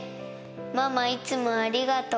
ママ、いつもありがとう。